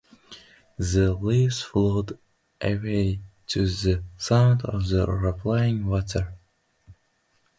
The leaves float away to the sound of the rippling water.